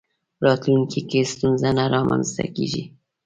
راتلونکي کې ستونزه نه رامنځته کېږي.